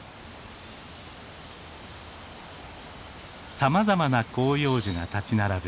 さまざまな広葉樹が立ち並ぶ